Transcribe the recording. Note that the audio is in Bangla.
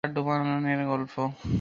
কোথায় লাগে সীতার বনবাস আর ড়ুবালের গল্প?